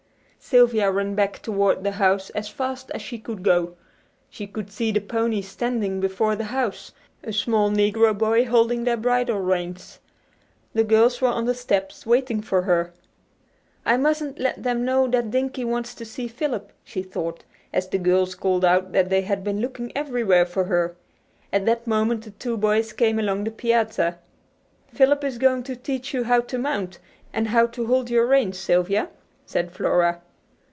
Sylvia ran back toward the house as fast as she could go. She could see the ponies standing before the house, a small negro boy holding their bridle reins. The girls were on the steps waiting for her. "I mustn't let them know that Dinkie wants to see Philip," she thought, as the girls called out that they had been looking everywhere for her. At that moment the two boys came along the piazza. "Philip is going to teach you how to mount, and how to hold your reins, Sylvia," said Flora.